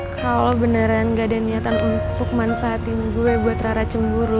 kalau beneran gak ada niatan untuk manfaatin gue buat rara cemburu